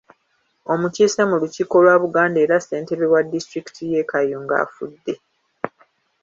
Omukiise mu lukiiko lwa Buganda era ssentebe wa disitulikiti ye Kayunga afudde.